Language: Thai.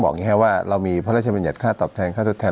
อย่างนี้ครับว่าเรามีพระราชบัญญัติค่าตอบแทนค่าทดแทน